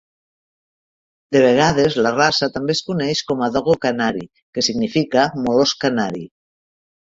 De vegades, la raça també es coneix com a Dogo canari, que significa "molós canari".